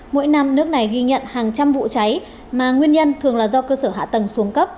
mỗi năm nước này ghi nhận hàng trăm vụ cháy mà nguyên nhân thường là do cơ sở hạ tầng xuống cấp